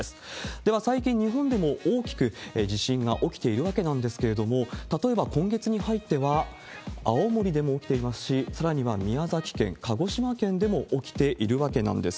では、最近、日本でも大きく地震が起きているわけなんですけれども、例えば今月に入っては、青森でも起きていますし、さらには宮崎県、鹿児島県でも起きているわけなんです。